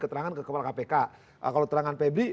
keterangan ke kepala kpk kalau keterangan febri